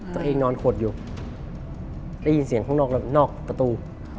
ผมเองนอนกวดอยู่